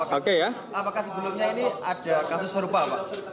pak ur apakah sebelumnya ini ada kasus serupa pak